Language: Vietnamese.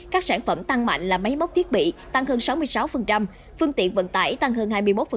các sản phẩm tăng mạnh là máy móc thiết bị tăng hơn sáu mươi sáu phương tiện vận tải tăng hơn hai mươi một